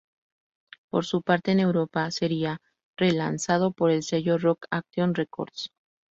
Por su parte en Europa sería re-lanzado por el sello Rock Action Records.